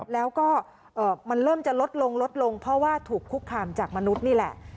แล้วก็มันเริ่มจะลดลงลดลงเพราะว่าถูกคุกคามจากมนุษย์นี่แหละ